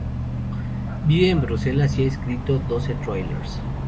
Vive en Bruselas y ha escrito doce thrillers.